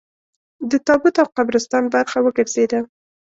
د تابوت او قبرستان برخه وګرځېده.